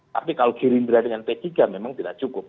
tapi kalau gerindra dengan p tiga memang tidak cukup